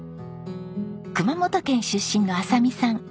熊本県出身の亜沙美さん。